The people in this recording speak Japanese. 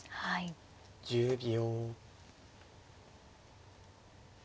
１０秒。